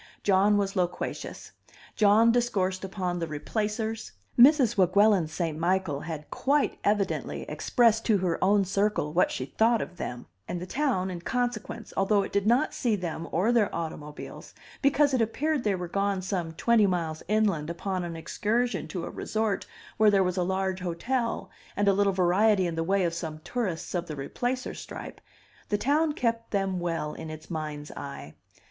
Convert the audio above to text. John was loquacious; John discoursed upon the Replacers; Mrs. Weguelin St. Michael had quite evidently expressed to her own circle what she thought of them; and the town in consequence, although it did not see them or their automobiles, because it appeared they were gone some twenty miles inland upon an excursion to a resort where was a large hotel, and a little variety in the way of some tourists of the Replacer stripe, the town kept them well in its mind's eye.